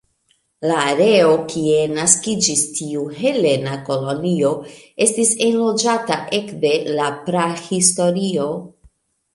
La areo kie naskiĝis tiu helena kolonio estis enloĝata ekde la prahistorio.